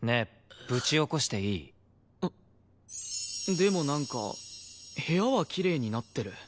でもなんか部屋はきれいになってる。